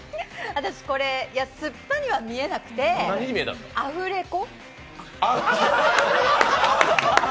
私、酸っぱいのは見えなくてアフレコ。